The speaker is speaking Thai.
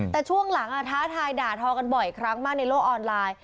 แต่ช่วงหลังท้าทายด่าทอกันบ่อยครั้งมากในโลกออนไลน์